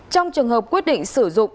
trong trường hợp quyết định sử dụng